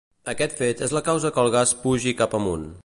Aquest fet és la causa que el gas pugi cap amunt.